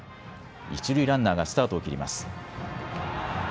一塁ランナーがスタートを切ります。